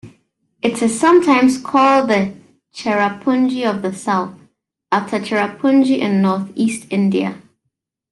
It is sometimes called "The Cherrapunji of the South" after Cherrapunji, in Northeast India.